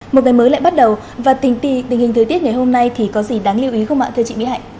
một ngày mới lại bắt đầu và tình tì tình hình thời tiết ngày hôm nay thì có gì đáng lưu ý không ạ thưa chị mỹ hạnh